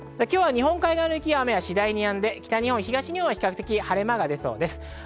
今日は日本海側の雪や雨は次第にやんで、北日本や東日本は比較的、晴れ間が出そうです。